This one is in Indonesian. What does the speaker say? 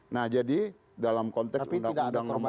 nah jadi dalam konteks undang undang nomor sembilan belas